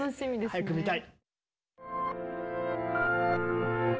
早く見たい。